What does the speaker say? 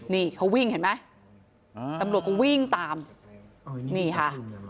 นี่เขาวิ่งเห็นไหมตำรวจก็วิ่งตามนี่ค่ะ